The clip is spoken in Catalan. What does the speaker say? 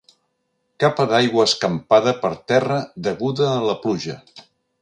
Capa d'aigua escampada per terra deguda a la pluja.